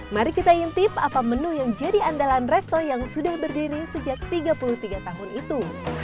mari kita intip apa menu yang jadi andalan resto yang sudah berdiri sejak tiga puluh tiga tahun itu